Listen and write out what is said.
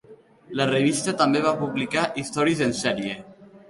La revista també va publicar històries en sèrie.